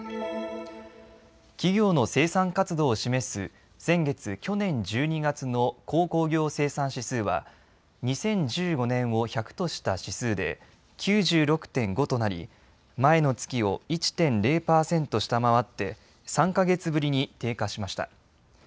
企業の生産活動を示す先月・去年１２月の鉱工業生産指数は、２０１５年を１００とした指数で９６．５となり、前の月を１．０％下回って３か月ぶりに低下しました。